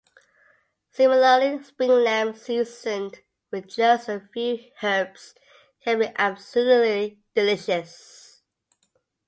Similarly, spring lamb seasoned with just a few herbs can be absolutely delicious.